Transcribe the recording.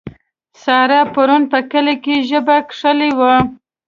سارا پرون په کلي کې ژبه کښلې وه.